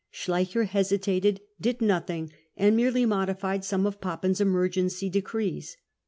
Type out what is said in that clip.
Schleicher hesitated, did nothing, and merely modified some of Papen's emergency decrees.